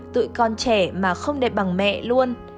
tụi con trẻ mà không đẹp bằng mẹ luôn